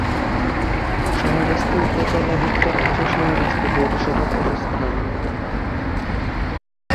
শাহরাস্তি উপজেলার উত্তরাংশে শাহরাস্তি পৌরসভার অবস্থান।